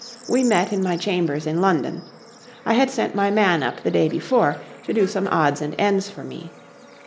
We met in my chambers in London. I had sent my man up the day before to do some odds and ends for me.